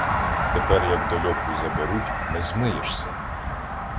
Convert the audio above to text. — Тепер, як до льоху заберуть, не змиєшся.